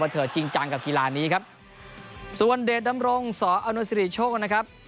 เถิดจริงจังกับกีฬานี้ครับส่วนเดชดำรงสออนุสิริโชคนะครับ